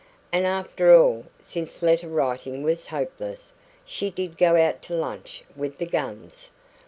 And after all, since letter writing was hopeless, she did go out to lunch with the guns.